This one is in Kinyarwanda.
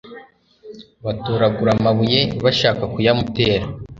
batoragura amabuye bashaka kuyamutera.